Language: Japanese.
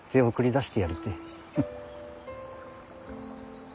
フッ。